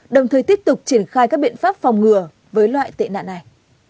đồng thời tiếp tục triển khai các biện pháp phòng ngừa với loại tệ nạn này